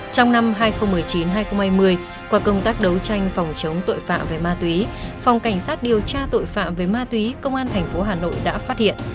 trong năm hai nghìn một mươi chín hai nghìn hai mươi qua công tác đấu tranh phòng chống tội phạm về ma túy phòng cảnh sát điều tra tội phạm về ma túy công an tp hà nội đã phát hiện